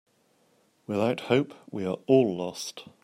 Without hope, we are all lost.